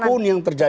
apapun yang terjadi